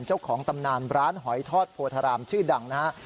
เจ้าของตำนานร้านหอยทอดโพธารามชื่อดังนะฮะ